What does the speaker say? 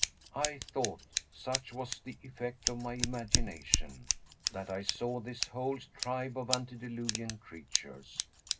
I thought, such was the effect of my imagination, that I saw this whole tribe of antediluvian creatures.